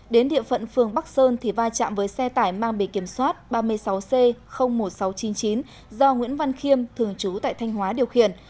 đến địa phận phường bắc sơn thì vai trạm với xe tải mang bề kiểm soát ba mươi sáu c một nghìn sáu trăm chín mươi chín do nguyễn văn khiêm thường trú tại thanh hóa điều khiển